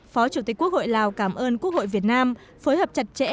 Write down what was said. phó chủ tịch quốc hội lào cảm ơn quốc hội việt nam phối hợp chặt chẽ